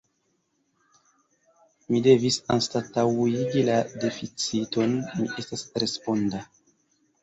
Mi devis anstataŭigi la deficiton: mi estas responda.